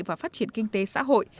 và phát triển kinh tế xã hội